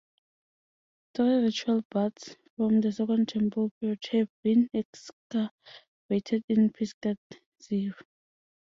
Three ritual baths from the Second Temple period have been excavated in Pisgat Ze'ev.